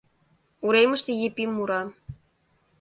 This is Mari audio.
Уремыште Епим мура: